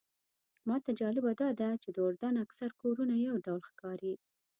ماته جالبه داده چې د اردن اکثر کورونه یو ډول ښکاري.